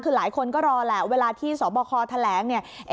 คือหลายคนก็รอแล้วเวลาที่สวบคแถลง